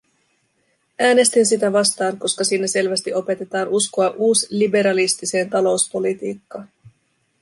Äänestin sitä vastaan, koska siinä selvästi opetetaan uskoa uusliberalistiseen talouspolitiikkaan.